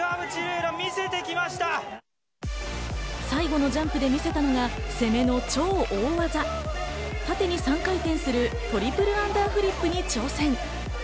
最後のジャンプで見せたのが攻め超大技、縦に３回転するトリプルアンダーフリップに挑戦。